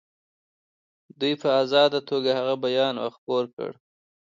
دوی په آزاده توګه هغه بیان او خپور کړي.